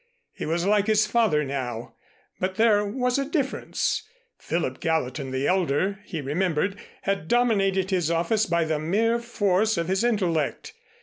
He was like his father now, but there was a difference. Philip Gallatin, the elder, he remembered, had dominated his office by the mere force of his intellect.